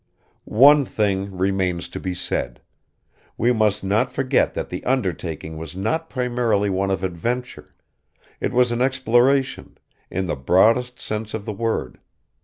One thing remains to be said. We must not forget that the undertaking was not primarily one of adventure; it was an exploration, in the broadest sense of the word.